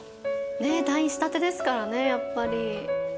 退院したてですからねやっぱり。